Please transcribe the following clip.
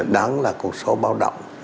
đáng là một số báo động